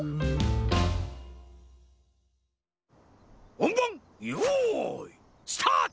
ほんばんよういスタート！